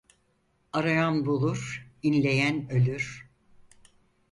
Arayan bulur, inleyen ölür.